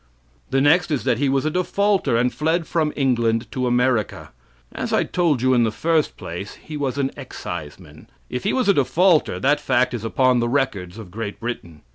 The next is that he was a defaulter, and fled from England to America. As I told you in the first place, he was an exciseman; if he was a defaulter, that fact is upon the records of Great Britain.